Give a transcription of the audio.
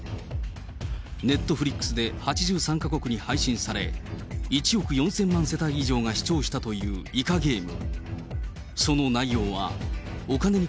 ネットフリックスで８３か国に配信され、１億４０００万世帯以上が視聴したというイカゲーム。